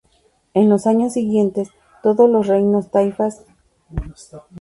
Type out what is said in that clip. En los años siguientes todos los reinos taifas peninsulares caerían en manos almorávides.